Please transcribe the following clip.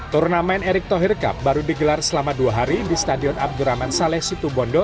turnamen erick thohir cup baru digelar selama dua hari di stadion abdurrahman saleh situbondo